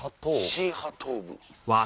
シーハトーブ。